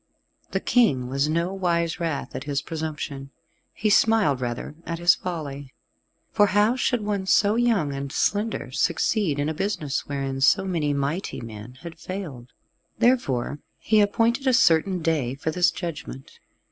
The King was no wise wrath at his presumption. He smiled rather at his folly, for how should one so young and slender succeed in a business wherein so many mighty men had failed. Therefore he appointed a certain day for this judgment.